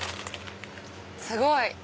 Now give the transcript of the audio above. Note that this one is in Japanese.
すごい！